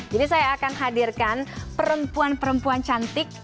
jadi saya akan hadirkan perempuan perempuan cantik